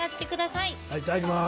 いただきます。